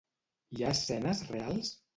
Hi ha escenes reals?